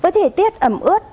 với thể tiết ẩm ướt